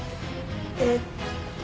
えっと。